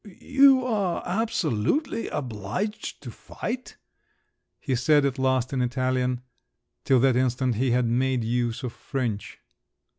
"You are absolutely obliged to fight?" he said at last in Italian; till that instant he had made use of French.